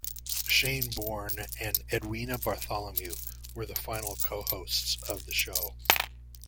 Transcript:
Shane Bourne and Edwina Bartholomew were the final co-hosts of the show.